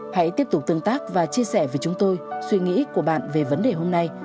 hãy tiếp tục tương tác và chia sẻ với chúng tôi suy nghĩ của bạn về vấn đề hôm nay